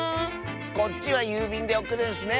こっちはゆうびんでおくるんスね！